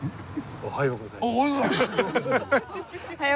おはようございます。